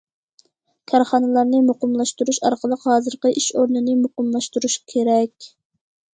كارخانىلارنى مۇقىملاشتۇرۇش ئارقىلىق ھازىرقى ئىش ئورنىنى مۇقىملاشتۇرۇش كېرەك.